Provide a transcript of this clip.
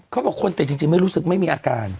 เขาบอกคนติดจริงไม่รู้สึกไม่มีอาการ